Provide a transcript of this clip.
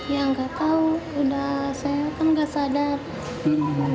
ya nggak tahu udah saya kan nggak sadar